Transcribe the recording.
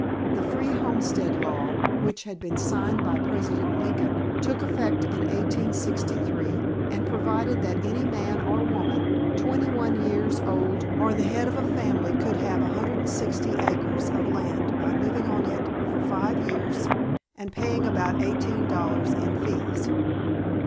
The Free Homestead Law, which had been signed by President Lincoln, took effect in 1863 and provided that any man or woman twenty one years old or the head of a family could have 160 acres of land by living on it for five years and paying about eighteen dollars in fees.